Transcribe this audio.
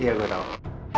iya gue tau